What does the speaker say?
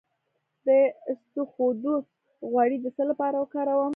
د اسطوخودوس غوړي د څه لپاره وکاروم؟